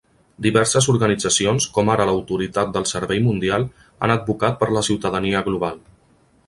Diverses organitzacions, com ara l'Autoritat del Servei Mundial, han advocat per la ciutadania global.